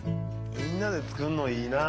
みんなで作るのいいなあ。